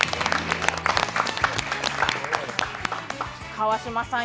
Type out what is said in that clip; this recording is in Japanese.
川島さん